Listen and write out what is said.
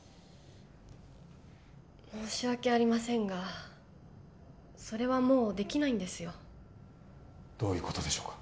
申し訳ありませんがそれはもうできないんですよどういうことでしょうか？